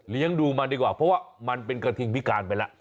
ดูมันดีกว่าเพราะว่ามันเป็นกระทิงพิการไปแล้ว